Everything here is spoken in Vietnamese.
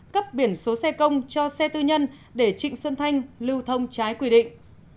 kiển số xe công cho xe tư nhân để trịnh xuân thanh lưu thông trái quy định